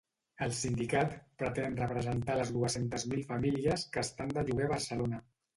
El sindicat pretén representar les dues-centes mil famílies que estan de lloguer a Barcelona.